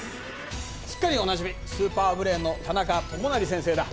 すっかりおなじみスーパーブレーンの田中友也先生だ。